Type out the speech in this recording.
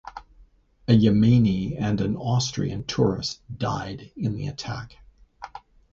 A Yemeni and an Austrian tourist died in the attack.